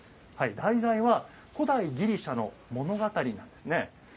題材は古代ギリシャの物語なんですね。